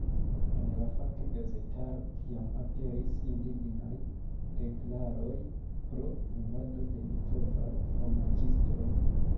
En la faka gazetaro jam aperis indignaj deklaroj pro invado de litovaj fromaĝistoj.